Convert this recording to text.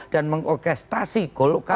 dan mengorkestrasi golkar